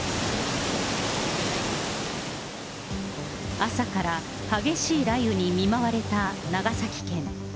朝から激しい雷雨に見舞われた長崎県。